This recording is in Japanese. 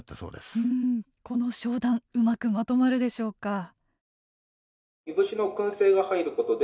うーん、この商談うまくまとまるでしょうか。